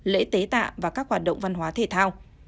lễ tế tạ và các hoạt động văn hóa thể thao